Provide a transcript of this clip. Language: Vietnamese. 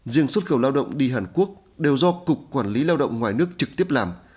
riêng xuất khẩu lao động đi hàn quốc đều do cục quản lý lao động ngoài nước trực tiếp làm